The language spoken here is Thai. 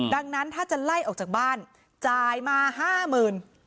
ดังนั้นถ้าจะไล่ออกจากบ้านจ่ายมาห้าหมื่น